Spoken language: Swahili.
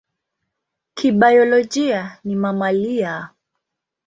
Kibiolojia ni mamalia.